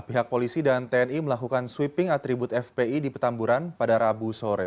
pihak polisi dan tni melakukan sweeping atribut fpi di petamburan pada rabu sore